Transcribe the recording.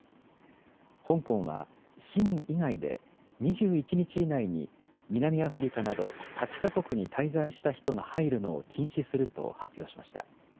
香港は市民以外で２１日以内に南アフリカなど８か国に滞在した人が入るのを禁止すると発表しました。